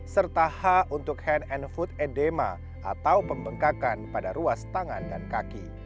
serta h untuk hand and food edema atau pembengkakan pada ruas tangan dan kaki